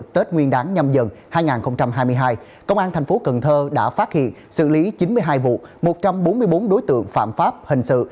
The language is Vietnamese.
tết nguyên đáng nhân dân hai nghìn hai mươi hai công an tp cần thơ đã phát hiện xử lý chín mươi hai vụ một trăm bốn mươi bốn đối tượng phạm pháp hình sự